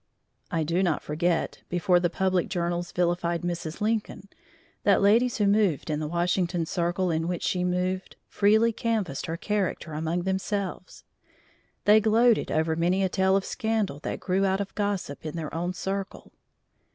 I do not forget, before the public journals vilified Mrs. Lincoln, that ladies who moved in the Washington circle in which she moved, freely canvassed her character among themselves. They gloated over many a tale of scandal that grew out of gossip in their own circle.